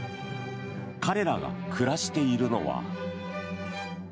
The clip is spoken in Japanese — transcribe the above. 彼らが暮らしているのは。